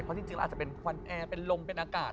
เพราะจริงเราอาจจะเป็นควันแอร์เป็นลมเป็นอากาศ